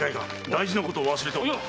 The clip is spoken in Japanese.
大事なことを忘れておった。